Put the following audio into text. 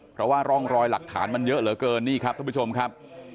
เพราะว่าร่องรอยหลักฐานมันเยอะเหลือเกินนี่ครับท่านผู้ชมครับ